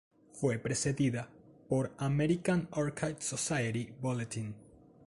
Fue precedida por "American Orchid Society Bulletin.